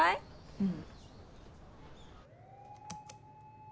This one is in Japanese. うん。